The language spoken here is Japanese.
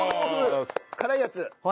辛いやつ。